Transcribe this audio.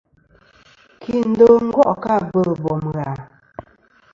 Kindo gò' kɨ abɨl bom ghà?